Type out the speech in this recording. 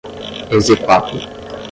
exequatur